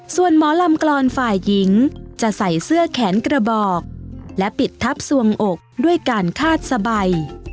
ส่วนหมอลำกรอนฝ่ายหญิงจะใส่เสื้อแขนกระบอกและปิดทับสวงอกด้วยการคาดสบาย